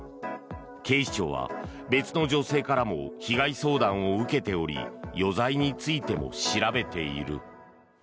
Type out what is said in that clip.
警視庁は、別の女性からも被害相談を受けており余罪についても調べている。